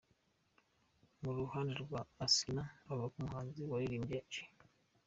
Ku ruhande rwa Asinah, avuga ko umuhanzi waririmbye G.